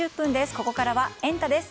ここからはエンタ！です。